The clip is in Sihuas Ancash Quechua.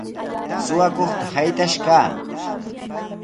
Suqakuqta saytash kaa.